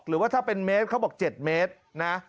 หรือว่าถ้าเป็นเมตรเขาบอก๗เมตรนะ